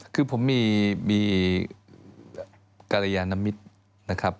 คือผมมีกรยานมิตรนะครับ